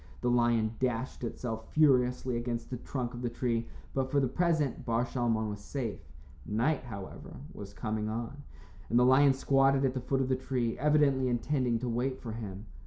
The lion dashed itself furiously against the trunk of the tree, but, for the present, Bar Shalmon was safe. Night, however, was coming on, and the lion squatted at the foot of the tree, evidently intending to wait for him.